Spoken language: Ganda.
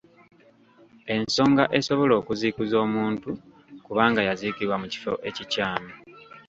Ensonga esobola okuziikuza omuntu kuba nga yaziikibwa mu kifo ekikyamu.